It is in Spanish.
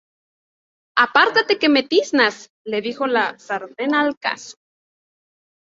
¡Apártate que me tiznas!, le dijo la sartén al cazo